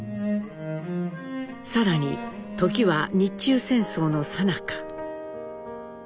更に時は日中戦争のさなか。